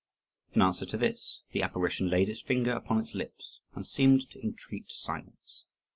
In answer to this, the apparition laid its finger upon its lips and seemed to entreat silence.